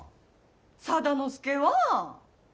定之助は！